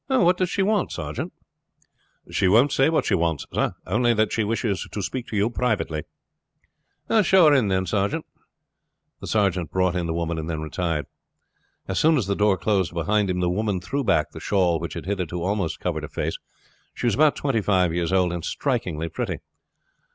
"What does she want, sergeant?" "She won't say what she wants, sir; only that she wishes to speak to you privately." "Show her in then, sergeant." The sergeant brought in the woman and then retired. As soon as the door closed behind him the woman threw back the shawl which had hitherto almost covered her face. She was about twenty five years old, and strikingly pretty.